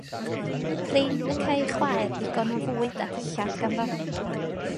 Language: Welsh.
Prin y cai ei chwaer ddigon o fwyd a dillad ganddo.